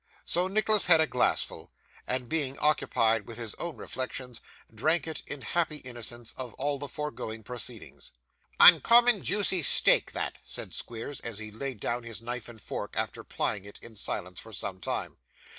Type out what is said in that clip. So Nicholas had a glassful, and being occupied with his own reflections, drank it, in happy innocence of all the foregone proceedings. 'Uncommon juicy steak that,' said Squeers, as he laid down his knife and fork, after plying it, in silence, for some time.